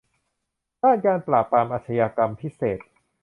ด้านการปราบปรามอาชญากรรมพิเศษ